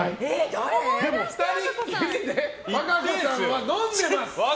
でも２人きりで和歌子さんは飲んでます！